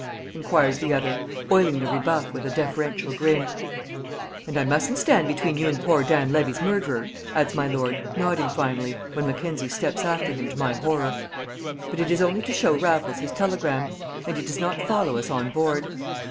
inquires the other, oiling the rebuff with deferential grin. "And I mustn't stand between you and poor Dan Levy's murderer," adds my lord, nodding finally, when Mackenzie steps after him to my horror. But it is only to show Raffles his telegram. And he does not follow us on board.